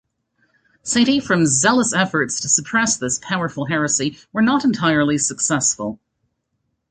Saint Ephrem's zealous efforts to suppress this powerful heresy were not entirely successful.